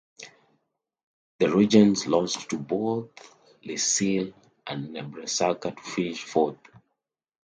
The Trojans lost to both LaSalle and Nebraska to finish fourth.